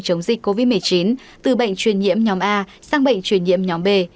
chống dịch covid một mươi chín từ bệnh truyền nhiễm nhóm a sang bệnh truyền nhiễm nhóm b